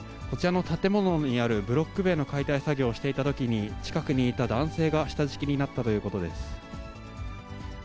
こちらの建物にあるブロック塀の解体作業をしていたときに、近くにいた男性が下敷きになったということです。